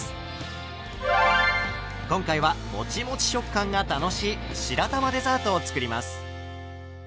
今回はもちもち食感が楽しい白玉デザートを作ります。